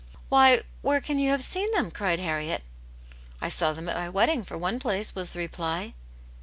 "Why, where can you have seen them?" cried Harriet. " I saw them at my wedding, for one place," was the reply.